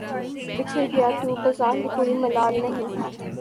بچھڑ گیا تو بظاہر کوئی ملال نہیں